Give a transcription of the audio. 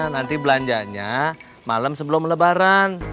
nanti belanjanya malam sebelum lebaran